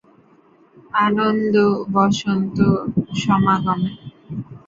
তখন এ অঞ্চলের প্রশাসনিক নাম ছিল নাব্যমন্ডল।